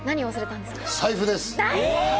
財布です。